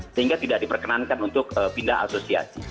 sehingga tidak diperkenankan untuk pindah asosiasi